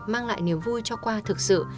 mang lại niềm vui cho qua thực sự